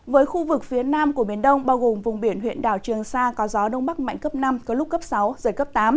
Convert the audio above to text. với khu vực phía nam của biển đông bao gồm vùng biển huyện đảo trường sa có gió đông bắc mạnh cấp năm có lúc cấp sáu giật cấp tám